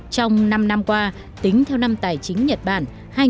trong năm năm qua tính theo năm tài chính nhật bản hai nghìn một mươi hai hai nghìn một mươi sáu